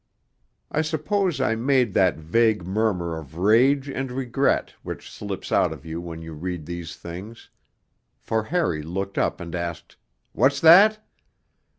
I suppose I made that vague murmur of rage and regret which slips out of you when you read these things, for Harry looked up and asked, 'What's that?'